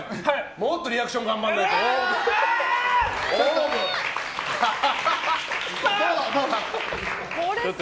もっとリアクション頑張らないと。